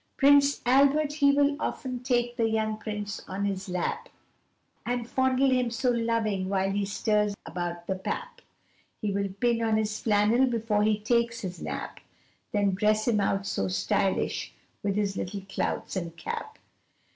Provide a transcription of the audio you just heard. Prince Albert he will often take the young Prince on his lap, And fondle him so loving while he stirs about the pap, He will pin on his flannel before he takes his nap, Then dress him out so stylish with his little clouts and cap.